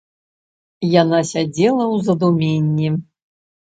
Яна сядзела ў задуменні.